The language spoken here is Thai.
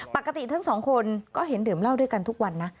ปกติทั้งสองคนก็เห็นดื่มเหล้าด้วยกันทุกวันนะ